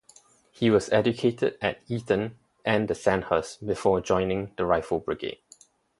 He was educated at Eton and the Sandhurst before joining the Rifle Brigade.